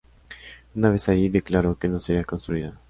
Una vez allí, declaró que no sería construida.